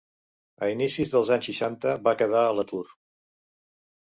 A inicis dels anys seixanta va quedar a l'atur.